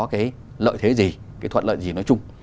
cái lợi thế gì cái thuận lợi gì nói chung